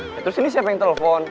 nah terus ini siapa yang telepon